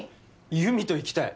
優美と行きたい！